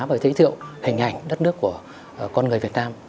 và giới thiệu hình ảnh đất nước của con người việt nam